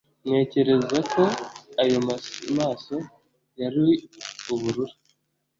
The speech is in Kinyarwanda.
ntekereza ko ayo maso yari ubururu